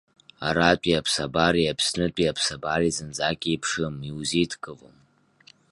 Аратәи аԥсабареи Аԥснытәи аԥсабареи зынӡак еиԥшым иузеидкылом.